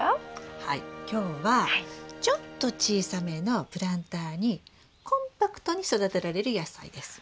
はい今日はちょっと小さめのプランターにコンパクトに育てられる野菜です。